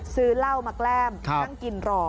ซื้อเหล้ามาแกล้มนั่งกินรอ